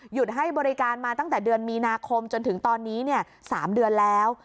ให้บริการมาตั้งแต่เดือนมีนาคมจนถึงตอนนี้๓เดือนแล้ว